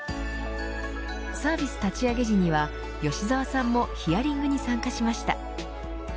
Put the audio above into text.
サービス立ち上げ時には吉沢さんもヒアリングに参加しました。